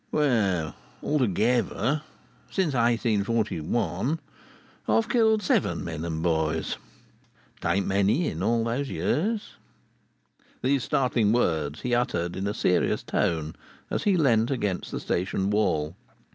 Well. Altogether, since 1841, I've killed seven men and boys. It ain't many in all those years." These startling words he uttered in a serious tone as he leaned against the Station wall.